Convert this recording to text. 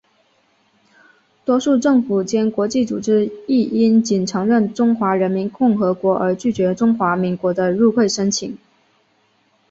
多数政府间国际组织亦因仅承认中华人民共和国而拒绝中华民国的入会申请。